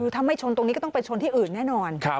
ถ้าไม่ชนตรงนี้ก็ต้องไปชนที่อื่นแน่นอน